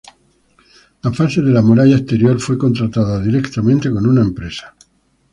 La fase de la muralla exterior, fue contratada directamente con una empresa.